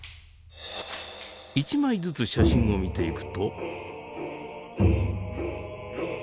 １枚ずつ写真を見ていくと。